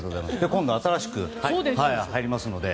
今度、新しく入りますので。